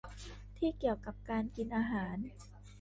ที่เกี่ยวกับการกินอาหาร